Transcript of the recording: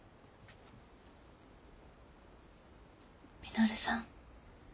稔さん。